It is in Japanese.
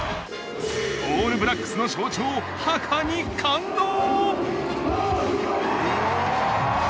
オールブラックスの象徴ハカに感動！